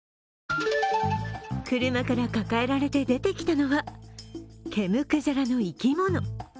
車から抱えられて出てきたのは毛むくじゃらの生き物。